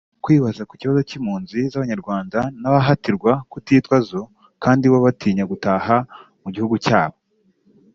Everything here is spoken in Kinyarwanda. Kwibaza ku kibazo cy’impunzi z’abanyarwanda n’abahatirwa kutitwa zo kandi bo batinya gutaha mu gihugu cyabo